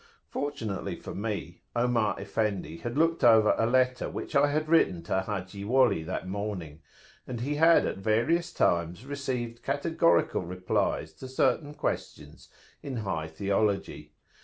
Fortunately for me, Omar Effendi had looked over a letter which I had written to Haji Wali that morning, and he had at various times received categorical replies to certain questions in high theology.